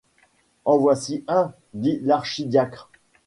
En voici un, dit l’archidiacre.